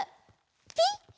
ピッ！